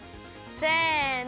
せの！